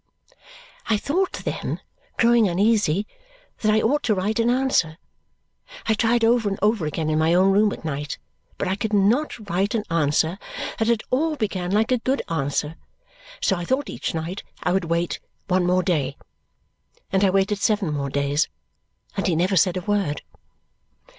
I thought then, growing uneasy, that I ought to write an answer. I tried over and over again in my own room at night, but I could not write an answer that at all began like a good answer, so I thought each night I would wait one more day. And I waited seven more days, and he never said a word.